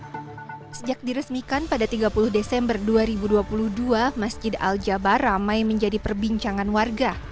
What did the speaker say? hai sejak diresmikan pada tiga puluh desember dua ribu dua puluh dua masjid aljabar ramai menjadi perbincangan warga